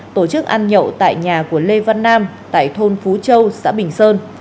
tổ chức ăn nhậu tại nhà của lê văn nam tại thôn phú châu xã bình sơn